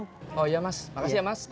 oh iya mas makasih ya mas